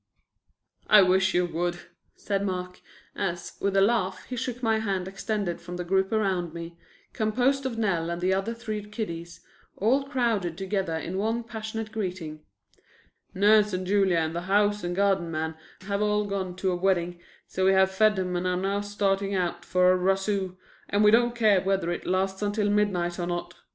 "I wish you would," said Mark, as, with a laugh, he shook my hand extended from the group around me, composed of Nell and the other three kiddies, all crowded together in one passionate greeting. "Nurse and Julia and the house and garden man have all gone to a wedding, so we have fed 'em and are now starting out for a razoo, and we don't care whether it lasts until midnight or not.